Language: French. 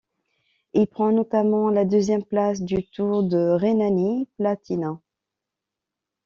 Il prend notamment la deuxième place du Tour de Rhénanie-Palatinat.